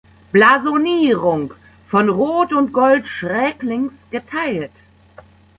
Blasonierung: „Von Rot und Gold schräglinks geteilt.